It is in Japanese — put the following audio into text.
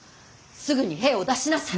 すぐに兵を出しなさい。